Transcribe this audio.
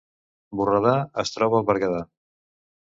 Borredà es troba al Berguedà